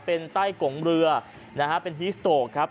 เป็นใต้กลงเรือเป็นฮีสโต๊คครับ